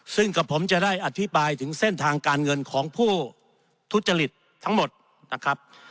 ซึ่งกับผมจะได้อธิบายถึงเส้นทางการเงินของผู้ทุจริตทั้งหมดนะครับ